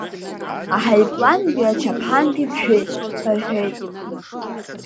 Аҳаиплангьы аџьаԥҳангьы ԥжәеит, рҳәеит.